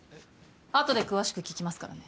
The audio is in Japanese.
後で詳しく聞きますからね。